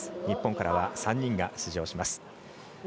日本からは３人が出場します。